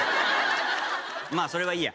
まあそれはいいや。